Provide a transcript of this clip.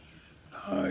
はい。